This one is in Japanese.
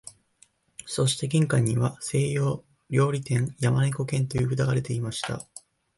そして玄関には西洋料理店、山猫軒という札がでていました